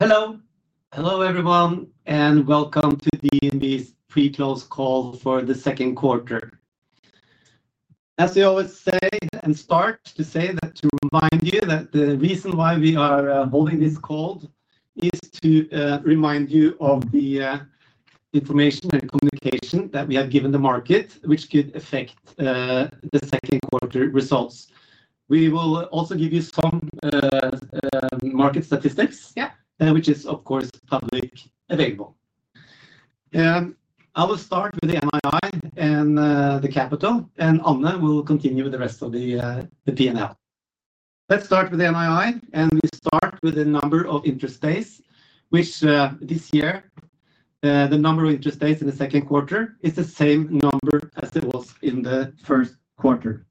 All right. Hello. Hello, everyone, and welcome to DNB's pre-close call for the Q2. As we always say, and start to say that to remind you that the reason why we are holding this call is to remind you of the information and communication that we have given the market, which could affect the Q2 results. We will also give you some market statistics, which is, of course, publicly available. I will start with the NII and the capital, and Anne Engebretsen will continue with the rest of the P&L. Let's start with the NII, and we start with the number of interest days, which this year, the number of interest days in the Q2 is the same number as it was in the Q1.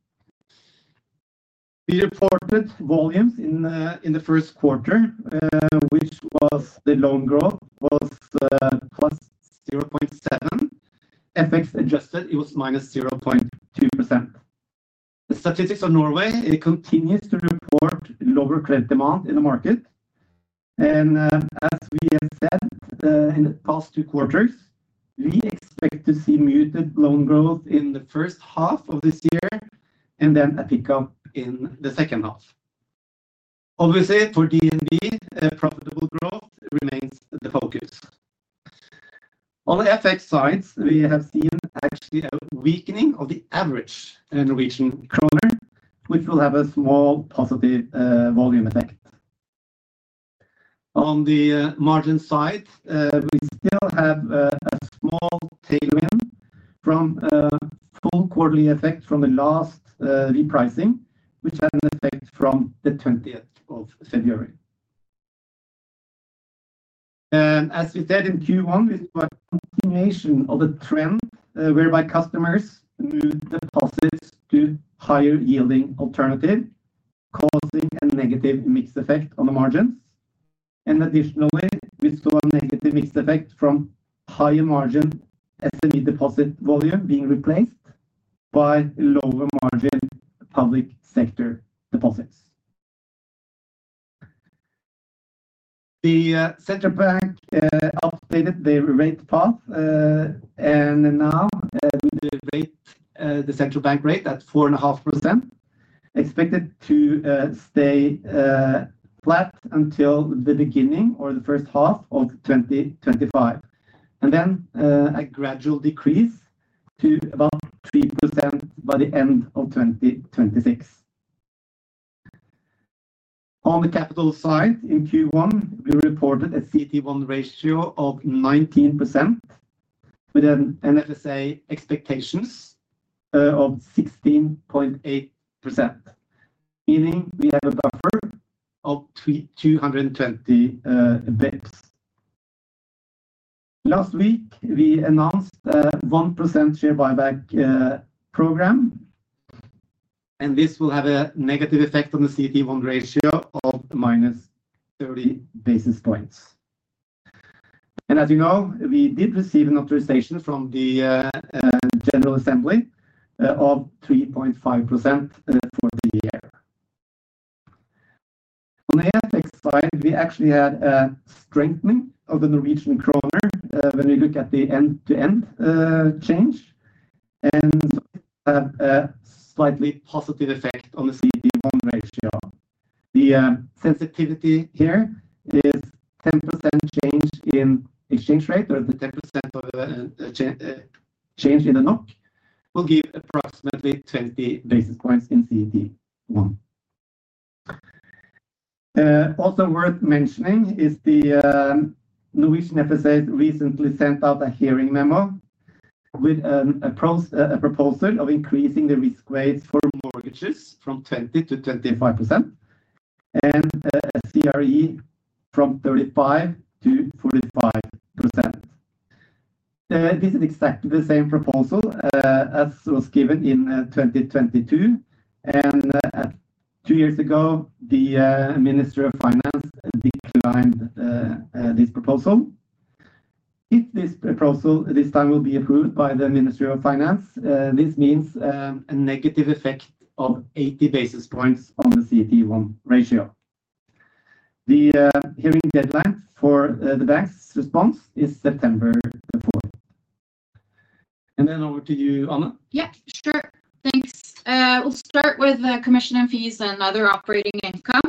We reported volumes in the Q1, which was the loan growth was +0.7. FX adjusted, it was -0.2%. Statistics Norway continues to report lower credit demand in the market. As we have said in the past two quarters, we expect to see muted loan growth in the first half of this year and then a pickup in the second half. Obviously, for DNB, profitable growth remains the focus. On the FX side, we have seen actually a weakening of the average Norwegian krone, which will have a small positive volume effect. On the margin side, we still have a small tailwind from full quarterly effect from the last repricing, which had an effect from the 20th of February. As we said in Q1, we saw a continuation of a trend whereby customers moved deposits to higher yielding alternatives, causing a negative mix effect on the margins. Additionally, we saw a negative mix effect from higher margin SME deposit volume being replaced by lower margin public sector deposits. The central bank updated their rate path, and now with the central bank rate at 4.5%, expected to stay flat until the beginning or the first half of 2025, and then a gradual decrease to about 3% by the end of 2026. On the capital side, in Q1, we reported a CET1 ratio of 19% with an FSA expectation of 16.8%, meaning we have a buffer of 220 basis points. Last week, we announced a 1% share buyback program, and this will have a negative effect on the CET1 ratio of minus 30 basis points. And as you know, we did receive an authorization from the General Assembly of 3.5% for the year. On the FX side, we actually had a strengthening of the Norwegian krone when we look at the end-to-end change, and we have a slightly positive effect on the CET1 ratio. The sensitivity here is 10% change in exchange rate, or the 10% change in the NOK will give approximately 20 basis points in CET1. Also worth mentioning is the Norwegian FSA has recently sent out a hearing memo with a proposal of increasing the risk weights for mortgages from 20%-25% and a CRE from 35%-45%. This is exactly the same proposal as was given in 2022, and two years ago, the Ministry of Finance declined this proposal. If this proposal this time will be approved by the Ministry of Finance, this means a negative effect of 80 basis points on the CET1 ratio. The hearing deadline for the bank's response is September 4th. And then over to you, Anne Engebretsen. Yep, sure. Thanks. We'll start with commission and fees and other operating income.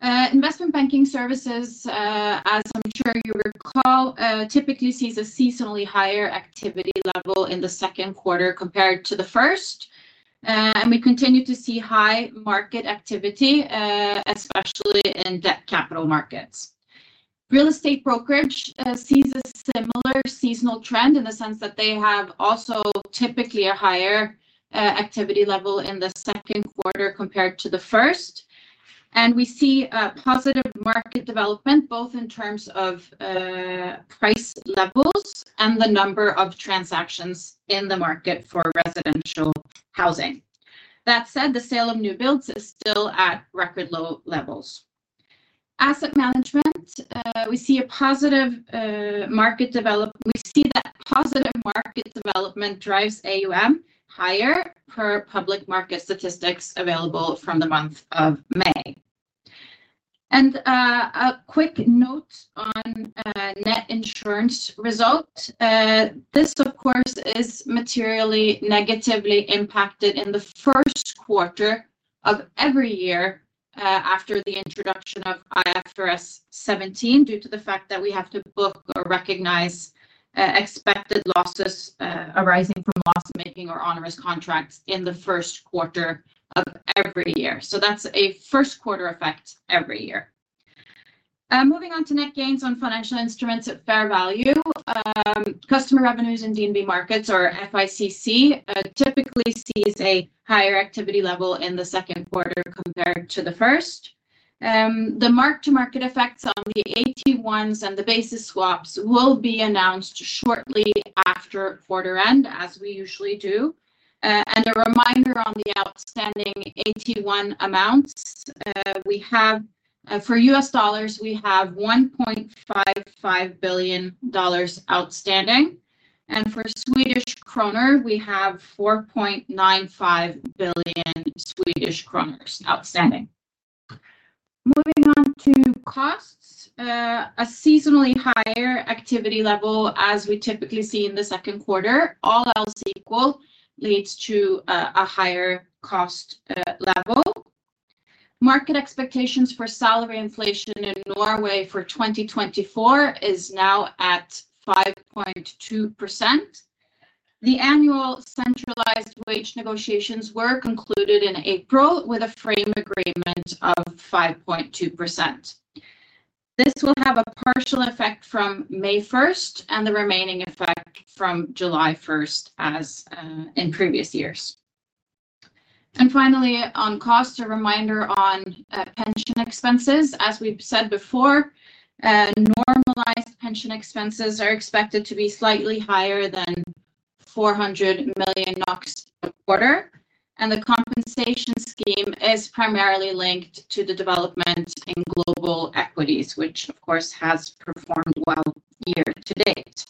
Investment banking services, as I'm sure you recall, typically see a seasonally higher activity level in the Q2 compared to the first, and we continue to see high market activity, especially in debt capital markets. Real estate brokerage sees a similar seasonal trend in the sense that they have also typically a higher activity level in the Q2 compared to the first, and we see positive market development both in terms of price levels and the number of transactions in the market for residential housing. That said, the sale of new builds is still at record low levels. Asset management, we see a positive market development. We see that positive market development drives AUM higher per public market statistics available from the month of May. And a quick note on net insurance results. This, of course, is materially negatively impacted in the Q1 of every year after the introduction of IFRS 17 due to the fact that we have to book or recognize expected losses arising from loss-making or onerous contracts in the Q1 of every year. So that's a Q1 effect every year. Moving on to net gains on financial instruments at fair value. Customer revenues in DNB Markets, or FICC, typically sees a higher activity level in the Q2 compared to the first. The mark-to-market effects on the AT1s and the basis swaps will be announced shortly after quarter end, as we usually do. And a reminder on the outstanding AT1 amounts. For U.S. dollars, we have $1.55 billion outstanding, and for Swedish kronor, we have 4.95 billion Swedish kronor outstanding. Moving on to costs, a seasonally higher activity level as we typically see in the Q2, all else equal, leads to a higher cost level. Market expectations for salary inflation in Norway for 2024 is now at 5.2%. The annual centralized wage negotiations were concluded in April with a frame agreement of 5.2%. This will have a partial effect from May 1st and the remaining effect from July 1st as in previous years. And finally, on costs, a reminder on pension expenses. As we've said before, normalized pension expenses are expected to be slightly higher than 400 million NOK a quarter, and the compensation scheme is primarily linked to the development in global equities, which, of course, has performed well year to date.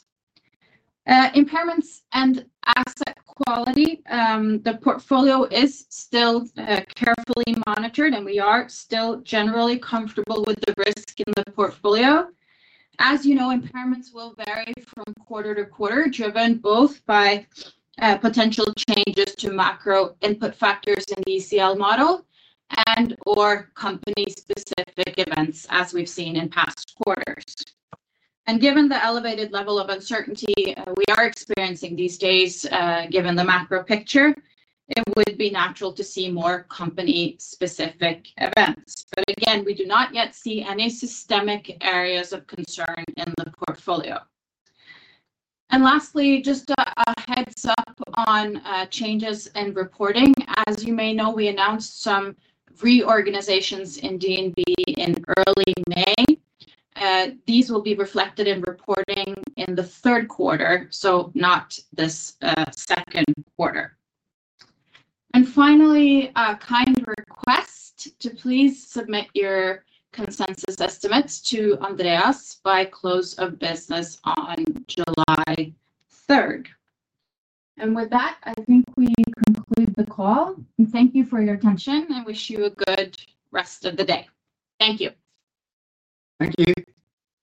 Impairments and asset quality. The portfolio is still carefully monitored, and we are still generally comfortable with the risk in the portfolio. As you know, impairments will vary from quarter to quarter, driven both by potential changes to macro input factors in the ECL model and/or company-specific events, as we've seen in past quarters. And given the elevated level of uncertainty we are experiencing these days, given the macro picture, it would be natural to see more company-specific events. But again, we do not yet see any systemic areas of concern in the portfolio. And lastly, just a heads-up on changes in reporting. As you may know, we announced some reorganizations in DNB in early May. These will be reflected in reporting in the Q3, so not this Q2. And finally, a kind request to please submit your consensus estimates to Andreas by close of business on July 3rd. And with that, I think we conclude the call. Thank you for your attention and wish you a good rest of the day. Thank you. Thank you.